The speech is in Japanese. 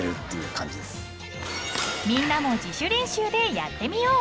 ［みんなも自主練習でやってみよう］